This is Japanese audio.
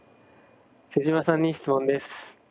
妹島さんに質問です。